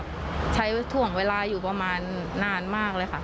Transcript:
ความโหโชคดีมากที่วันนั้นไม่ถูกในไอซ์แล้วเธอเคยสัมผัสมาแล้วว่าค